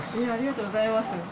ありがとうございます。